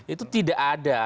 itu tidak ada